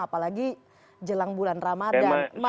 apalagi jelang bulan ramadan